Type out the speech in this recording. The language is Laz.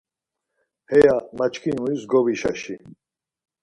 Heya maçkinuyiz gobişaşi.